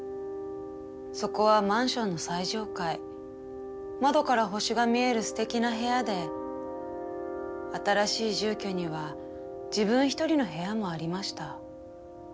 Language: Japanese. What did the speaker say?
そこはマンションの最上階窓から星が見えるすてきな部屋で新しい住居には自分一人の部屋もありました。